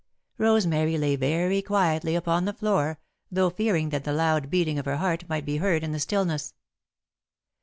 Rosemary lay very quietly upon the floor, though fearing that the loud beating of her heart might be heard in the stillness.